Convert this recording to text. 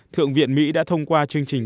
thượng viện mỹ đã thông qua chương trình